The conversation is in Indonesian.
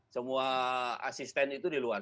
semua asisten itu di luar